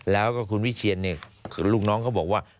แล้วก็คุณวิเชียนเนี่ยลูกน้องเขาบอกว่า